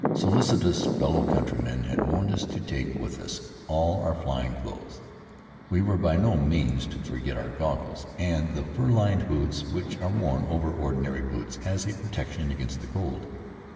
Solicitous fellow countrymen had warned us to take with us all our flying clothes. We were by no means to forget our goggles, and the fur lined boots which are worn over ordinary boots as a protection against the cold.